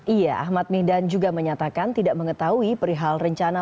iya ahmad mihdan juga menyatakan tidak mengetahui perihal rencana